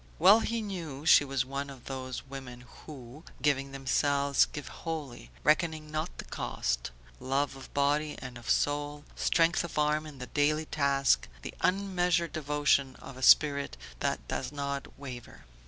Well he knew she was one of those women who, giving themselves, give wholly, reckoning not the cost; love of body and of soul, strength of arm in the daily task, the unmeasured devotion of a spirit that does not waver.